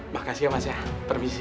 makasih ya mas ya permisi